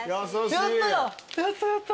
やった！